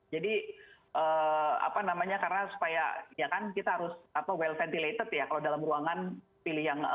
jadi apa namanya karena supaya ya kan kita harus well ventilated ya kalau dalam ruangan